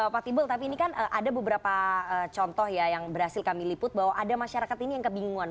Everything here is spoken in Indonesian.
pak tibul tapi ini kan ada beberapa contoh ya yang berhasil kami liput bahwa ada masyarakat ini yang kebingungan